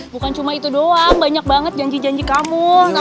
bukan cuma itu doang banyak banget janji janji kamu